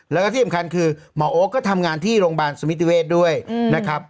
แล้วก็ที่สำคัญคือหมอโอ๊คก็ทำงานที่โรงพยาบาลสมิติเวศด้วยนะครับ